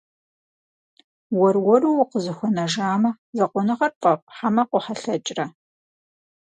Уэр-уэру укъызыхуэнэжамэ, закъуэныгъэр пфӏэфӏ хьэмэ къохьэлъэкӏрэ?